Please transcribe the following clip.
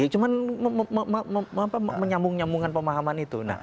cuma menyambung nyambungkan pemahaman itu